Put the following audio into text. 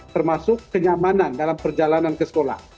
termasuk kenyamanan dalam perjalanan ke sekolah